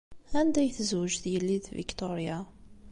Anda ay tezwej Tgellidt Victoria?